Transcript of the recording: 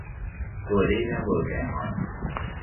Vừa đi nam vừa khẽ hỏi